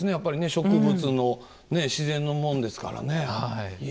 植物の自然のもんですからね。